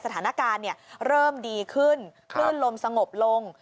สถานการณ์เนี่ยเริ่มดีขึ้นขึ้นลมสงบลง